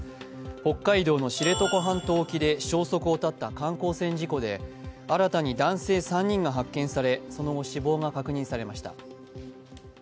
北海道の知床半島沖で消息を絶った観光船事故で新たに男性３人が発見され、その後、死亡が確認されました。